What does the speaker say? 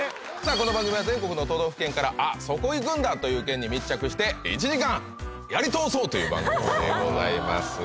この番組は全国の都道府県からあっそこ行くんだという県に密着して１時間やり通そうという番組でございます